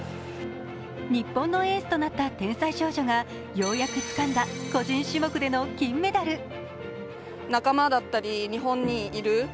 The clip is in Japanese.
日本のエースとなった天才少女が、ようやくつかんだ個人種目での金メダル。